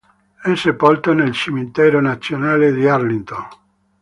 È sepolto nel Cimitero nazionale di Arlington.